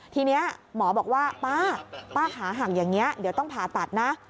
ทีนี้หมอบอกว่าป้าป้าขาหักอย่างนี้เดี๋ยวต้องผ่าตัดนะ